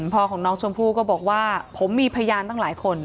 พ่อของน้องชมพู่ก็บอกว่าผมมีพยานตั้งหลายคน